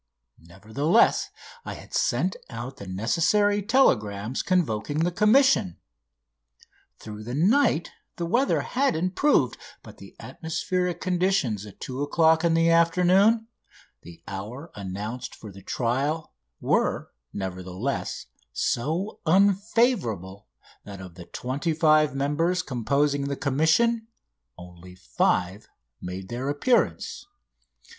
Nevertheless, I had sent out the necessary telegrams convoking the Commission. Through the night the weather had improved, but the atmospheric conditions at 2 o'clock in the afternoon the hour announced for the trial were, nevertheless, so unfavourable that of the twenty five members composing the Commission only five made their appearance MM.